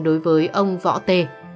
đối với ông võ t